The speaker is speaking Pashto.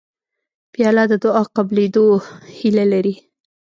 پیاله د دعا قبولېدو هیله لري